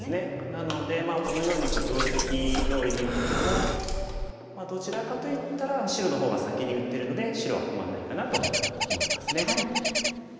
なのでこのように定石どおりに打ってもどちらかといったら白の方が先に打てるので白は不満ないかなと思いますね。